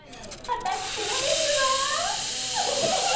わたくしもですわ。